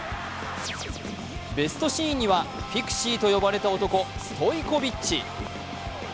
ベストシーンには、ピクシーと呼ばれた男、ストイコビッチ。